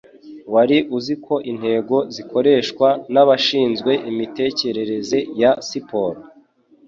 Wari uzi ko intego zikoreshwa n'abashinzwe imitekerereze ya siporo